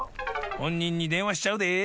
ほんにんにでんわしちゃうで。